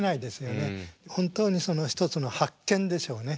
本当に一つの発見でしょうね。